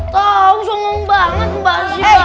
kau sengong banget mbak siva